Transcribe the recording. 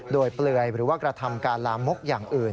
โดยเปลือยหรือว่ากระทำการลามกอย่างอื่น